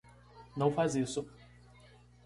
Não faz isso!